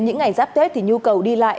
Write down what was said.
những ngày giáp tết thì nhu cầu đi lại